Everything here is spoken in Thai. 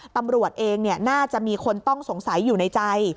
ตำรวจเองน่าจะมีคนต้องสงสัยอยู่ในใจ